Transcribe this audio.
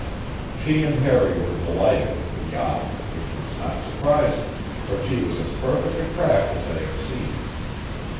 She and Harry were delighted with the yacht, which was not surprising, for she was as perfect a craft as I have seen.